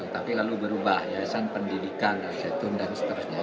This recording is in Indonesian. tapi lalu berubah yayasan pendidikan al zaitun dan seterusnya